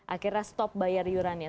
akhirnya stop bayar iuran ya